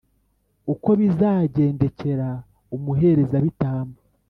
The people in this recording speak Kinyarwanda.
Uko bizagendekera umuherezabitambo,